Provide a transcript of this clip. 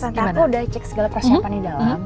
tantaku sudah cek segala persiapan di dalam